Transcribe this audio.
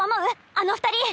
あの２人。